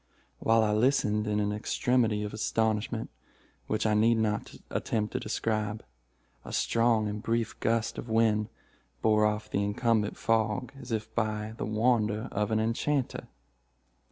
"While I listened in an extremity of astonishment which I need not attempt to describe, a strong and brief gust of wind bore off the incumbent fog as if by the wand of an enchanter.